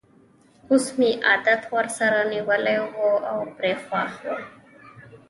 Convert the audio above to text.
اوس مې عادت ورسره نیولی وو او پرې خوښ وم.